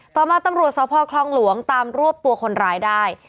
ต่อมาตำรวจสพคลองหลวงตามรวบตัวคนร้ายได้